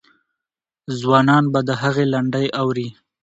ځوانان به د هغې لنډۍ اوري.